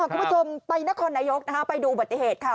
คุณผู้ชมไปนครนายกไปดูอุบัติเหตุค่ะ